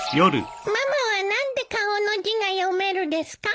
ママは何で顔の字が読めるですか？